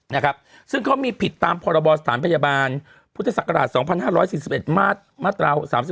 นะครับซึ่งเขามีผิดตามพรบสถานพยาบาลพุทธศักราช๒๕๔๑มาตรา๓๔